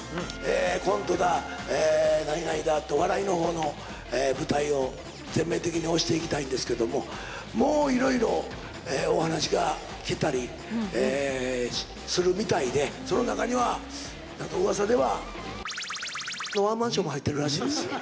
コントだ、何々だって、笑いのほうの舞台を全面的に推していきたいんですけども、もういろいろお話が来たりするみたいで、その中には、なんかうわさでは、×××のワンマンショーも、入ってるらしい。